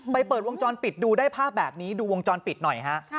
เปิดวงจรปิดดูได้ภาพแบบนี้ดูวงจรปิดหน่อยฮะ